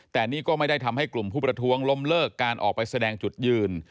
แต่นี่ก็ไม่ได้ทำให้กลุ่มผู้ประท้วงล้มเลิกการออกไปแสดงจุดยืน